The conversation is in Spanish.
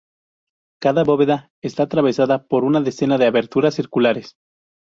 Cada bóveda está atravesada por una decena de aberturas circulares.